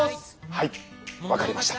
はい分かりました。